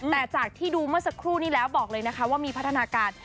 แต่จากที่ดูเมื่อสักครู่นี้แล้วบอกเลยนะคะว่ามีพัฒนาการ